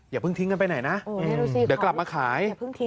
อย่าเพิ่งทิ้งกันไปไหนนะเดี๋ยวกลับมาขาย